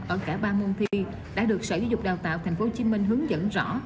ở cả ba môn thi đã được sở giáo dục đào tạo tp hcm hướng dẫn rõ